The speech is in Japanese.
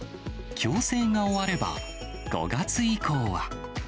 矯正が終われば、５月以降は。